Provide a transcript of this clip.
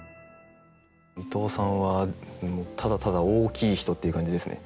伊藤さんはただただ大きい人っていう感じですね。